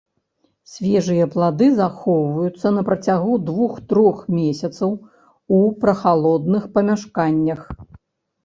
Свежыя плады захоўваюць на працягу двух-трох месяцаў у прахалодных памяшканнях.